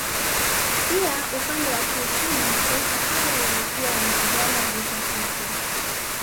Pia upande wa kiuchumi mataifa haya yalikuwa yanapigana vita hivyo